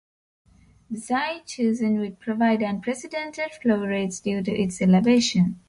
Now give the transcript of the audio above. The site chosen would provide unprecedented flow rates due to its elevation.